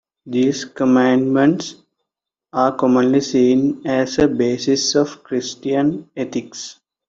These commandments are commonly seen as a basis of Christian ethics.